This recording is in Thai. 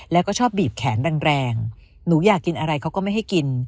แล้วก็ชอบบีบแขนแรงหนูอยากกินอะไรเขาก็ไม่ให้กิน